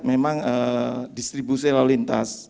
memang distribusi lalu lintas